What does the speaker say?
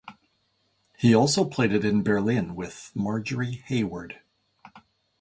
He also played it in Berlin with Marjorie Hayward.